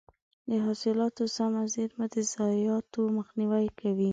د حاصلاتو سمه زېرمه د ضایعاتو مخنیوی کوي.